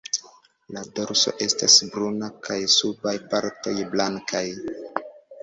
La dorso estas bruna kaj subaj partoj blankaj.